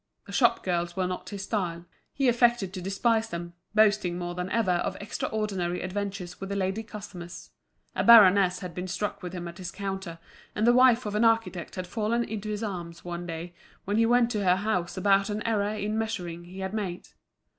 The shop girls were not his style, he affected to despise them, boasting more than ever of extraordinary adventures with the lady customers; a baroness had been struck with him at his counter, and the wife of an architect had fallen into his arms one day when he went to her house about an error in measuring he had made.